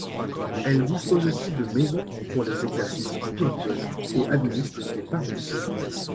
Elle dispose aussi de maisons pour les exercices spirituels et administre des paroisses.